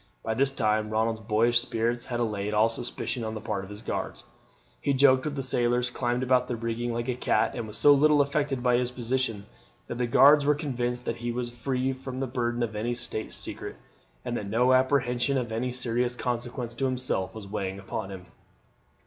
By this time Ronald's boyish spirits had allayed all suspicion on the part of his guards. He joked with the sailors, climbed about the rigging like a cat, and was so little affected by his position that the guards were convinced that he was free from the burden of any state secret, and that no apprehension of any serious consequence to himself was weighing upon him.